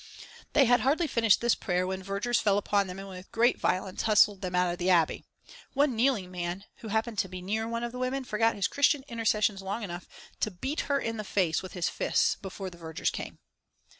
They had hardly finished this prayer when vergers fell upon them and with great violence hustled them out of the Abbey. One kneeling man, who happened to be near one of the women, forgot his Christian intercessions long enough to beat her in the face with his fists before the vergers came.